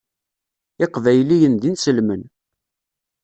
Iqbayliyen d inselmen.